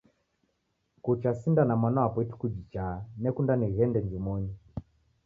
Kucha sinda na mwana wapo ituku jichaa, nekunda nighende njumonyi.